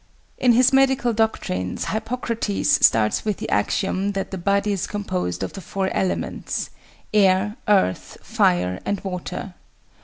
In his medical doctrines Hippocrates starts with the axiom that the body is composed of the four elements air, earth, fire, and water.